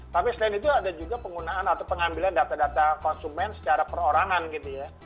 tapi selain itu ada juga penggunaan atau pengambilan data data konsumen secara perorangan gitu ya